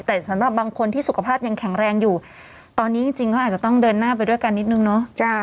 แต่สำหรับบางคนที่สุขภาพยังแข็งแรงอยู่ตอนนี้จริงก็อาจจะต้องเดินหน้าไปด้วยกันนิดนึงเนาะ